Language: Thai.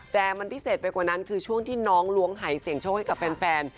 แต่มันพิเศษไปกว่านั้นคือช่วงที่น้องล้วงหายเสียงโชคให้กับแฟน